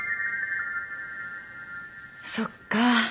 そっか。